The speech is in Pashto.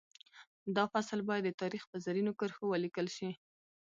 دا فصل باید د تاریخ په زرینو کرښو ولیکل شي